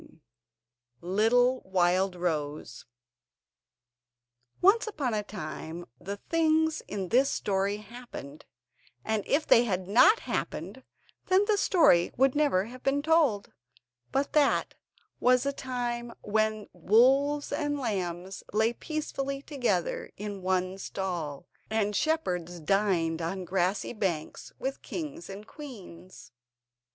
] Little Wildrose Once upon a time the things in this story happened, and if they had not happened then the story would never have been told. But that was the time when wolves and lambs lay peacefully together in one stall, and shepherds dined on grassy banks with kings and queens.